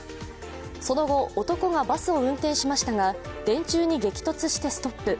その後、男がバスを運転しましたが電柱に激突してストップ。